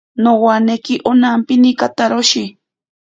Nowaneki onampini kataroshi.